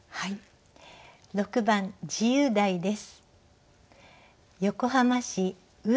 ６番自由題です。